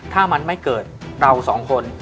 ถ้ามันไม่เกิดเราสองคน